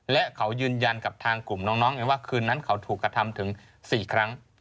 และเขายืนยันกับทางกลุ่มน้องไงว่าคืนนั้นเขาถูกกระทำถึง๔ครั้ง